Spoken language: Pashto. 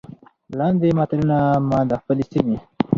لاندې متلونه ما د خپلې سيمې